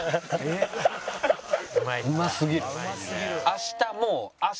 明日もう。